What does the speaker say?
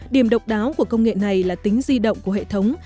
điểm độc đáo của công nghệ này là tính di động của hệ thống